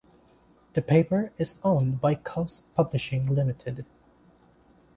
The paper is owned by "Coast Publishing Limited".